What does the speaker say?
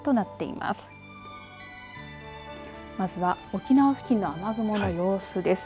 まずは沖縄付近の雨雲の様子です。